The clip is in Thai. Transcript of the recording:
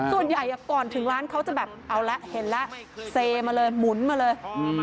ส่วนใหญ่ก่อนถึงร้านเขาจะแบบเอาละเห็นละเสมาเลยหมุนมาเลย